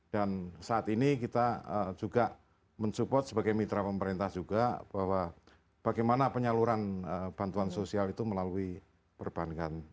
dan saat ini kita juga men support sebagai mitra pemerintah juga bahwa bagaimana penyaluran bantuan sosial itu melalui perbankan